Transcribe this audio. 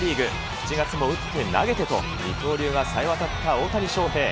７月も打って投げてと、二刀流がさえわたった大谷翔平。